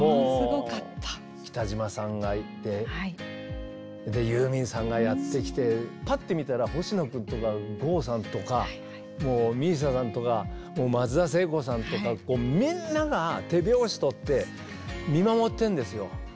北島さんがいてユーミンさんがやってきてパッと見たら、星野君とか郷さんとかＭＩＳＩＡさんとか松田聖子さんとかみんなが手拍子とって見守っているんですよ。